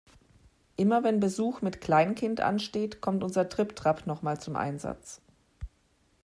Immer wenn Besuch mit Kleinkind ansteht, kommt unser Tripp-Trapp noch mal zum Einsatz.